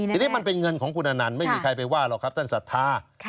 ทีนี้มันเป็นเงินของคุณอนันต์ไม่มีใครไปว่าหรอกครับท่านศรัทธา